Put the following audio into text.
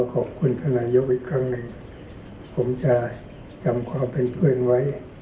ขอบคุณท่านนายกอีกครั้งหนึ่งผมจะจำความเป็นเพื่อนไว้